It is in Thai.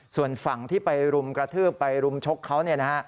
ส่วนฝั่งที่ไปรุมกระทืบไปรุมชกเขา